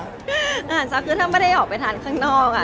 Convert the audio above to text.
อาหารเช้าคือถ้าไม่ได้ออกไปทานข้างนอกอะ